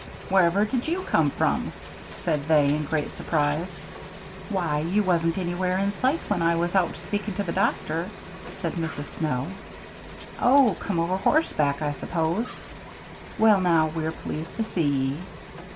"Wherever did you come from?" said they, in great surprise. "Why, you wasn't anywhere in sight when I was out speaking to the doctor," said Mrs. Snow. "Oh, come over horseback, I suppose. Well, now, we're pleased to see ye."